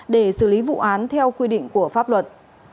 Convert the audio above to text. để xử lý vụ án theo quy định của pháp luật